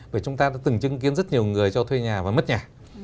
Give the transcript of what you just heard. bởi chúng ta đã từng chứng kiến rất nhiều người cho thuê nhà và mất nhà